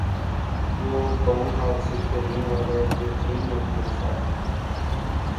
وہ بائیں ہاتھ سےکھیلنے والا ایک بہترین اوپنر تھا